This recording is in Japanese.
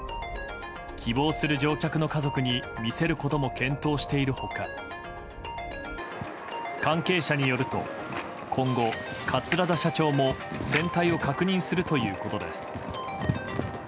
希望する乗客の家族に見せることも検討している他関係者によると今後、桂田社長も船体を確認するということです。